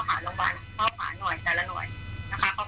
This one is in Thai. ทุกคนไม่เคยเห็นภายในของบ้านผู้ป่วยว่าเป็นยังไง